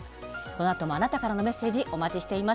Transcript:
このあともあなたからのメッセージお待ちしています。